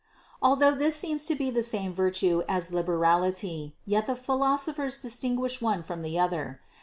Although this seems to be the same virtue as liberality, yet the philosophers distinguish one from the other.